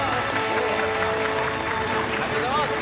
ありがとうございます！